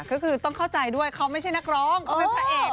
ก็คือต้องเข้าใจด้วยเขาไม่ใช่นักร้องเขาเป็นพระเอก